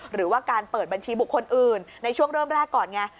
หรือว่าการเปิดบัญชีบุคคลอื่นในช่วงเริ่มแรกก่อนไง